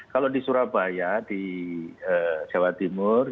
kalau di surabaya di jawa timur